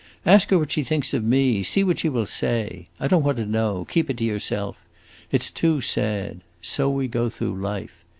Ask her what she thinks of me; see what she will say. I don't want to know; keep it to yourself. It 's too sad. So we go through life.